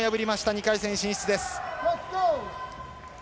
２回戦進出です。